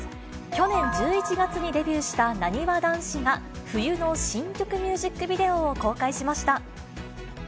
去年１１月にデビューしたなにわ男子が、冬の新曲ミュージックビデオを公開しました。